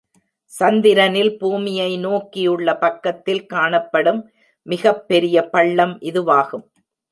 சந்திரனின் பூமியை நோக்கியுள்ள பக்கத்தில் காணப்படும் மிகப்பெரிய பள்ளம் இதுவாகும்.